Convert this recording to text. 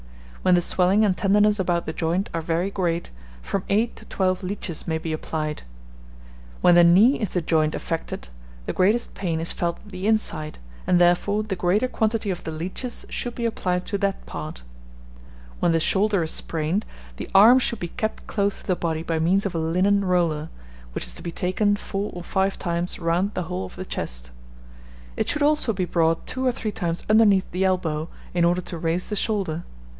When the swelling and tenderness about the joint are very great, from eight to twelve leeches may be applied. When the knee is the joint affected, the greatest pain is felt at the inside, and therefore the greater quantity of the leeches should be applied to that part. When the shoulder is sprained, the arm should be kept close to the body by means of a linen roller, which is to be taken four or five times round the whole of the chest. It should also be brought two or three times underneath the elbow, in order to raise the shoulder.